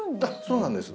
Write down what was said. そうなんです。